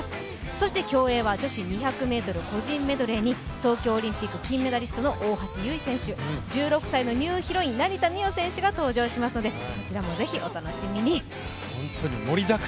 そして競泳は女子２００ｍ個人メドレーに東京オリンピック金メダリストの大橋悠依選手、１６歳のニューヒロイン、成田実生選手が登場しますのでそちらもぜひお楽しみに。